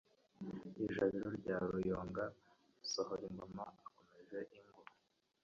Ijabiro rya Ruyonga. Sohoringoma akomeje ingo